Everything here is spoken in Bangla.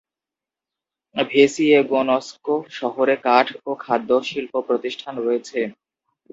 ভেসিয়েগনস্ক শহরে কাঠ ও খাদ্য শিল্প প্রতিষ্ঠান রয়েছে।